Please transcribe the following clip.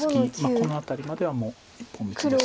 この辺りまではもう一本道です。